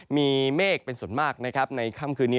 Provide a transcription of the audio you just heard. มีเมฆเป็นส่วนมากนะครับในค่ำคืนนี้